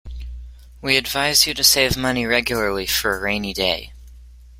We advise you to save money regularly for a rainy day.